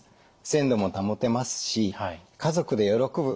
鮮度も保てますし家族で喜ぶ